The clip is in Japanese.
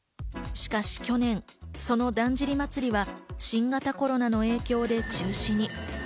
しかし去年、そのだんじり祭は新型コロナの影響で中止に。